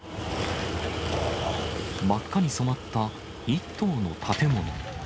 真っ赤に染まった一棟の建物。